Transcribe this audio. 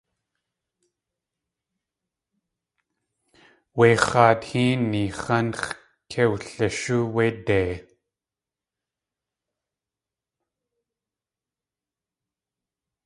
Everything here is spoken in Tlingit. Wé x̲áat héeni x̲ánx̲ kei wlishóo wé dei.